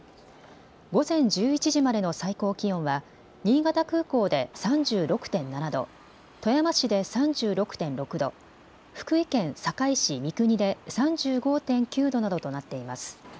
午前１１時までの最高気温は新潟空港で３６．７度、富山市で３６．６度、福井県坂井市三国で３５．９度などとなっています。